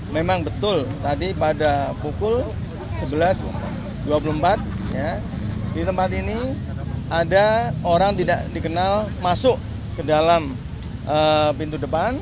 memang betul tadi pada pukul sebelas dua puluh empat di tempat ini ada orang tidak dikenal masuk ke dalam pintu depan